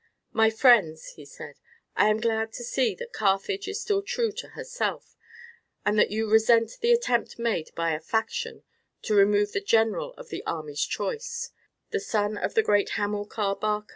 "My friends," he said, "I am glad to see that Carthage is still true to herself, and that you resent the attempt made by a faction to remove the general of the army's choice, the son of the great Hamilcar Barca.